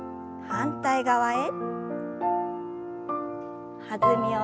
反対側へ。